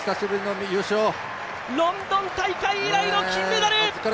ロンドン大会以来の金メダル。